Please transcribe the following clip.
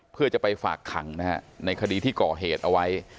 เพื่อจะไปฝากขังในคดีที่ก่อเหตุเอาไว้